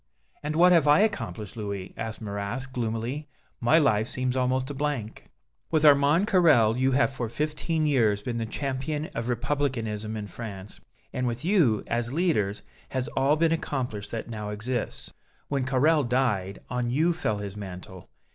"And what have I accomplished, Louis?" asked Marrast, gloomily. "My life seems almost a blank." "With Armand Carrel, you have for fifteen years been the champion of Republicanism in France, and with you, as leaders, has all been accomplished that now exists. When Carrel died, on you fell his mantle.